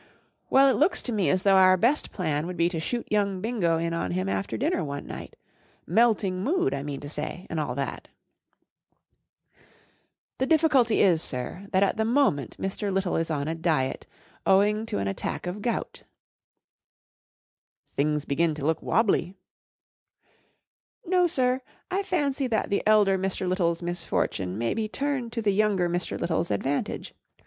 ■' Well, it looks to rue as though our best plan would he to mm IT shoot young Bingo in on him after dinner one night* Melting mood, I mean to say, and all that*" " The difficulty is p sir, that at the moment Mr. Little is on a diet, owing to an attack of gout," " Things begin to look wobbly*" " No, sir, I fancy that the elder Mr. Little's misfortune may be turned to the younger Mr* Little's a d vantage.